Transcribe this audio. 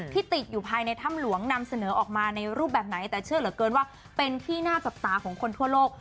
ติดอยู่ภายในถ้ำหลวงนำเสนอออกมาในรูปแบบไหนแต่เชื่อเหลือเกินว่าเป็นที่น่าจับตาของคนทั่วโลก